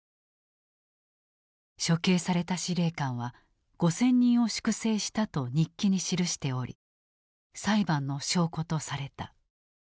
処刑された司令官は「５，０００人を粛正した」と日記に記しており裁判の証拠とされた。